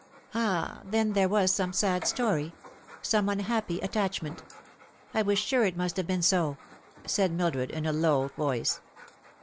" Ah, then there was some sad story some unhappy attach ment. I was sure it must have been so," said Mildred, in a low voice.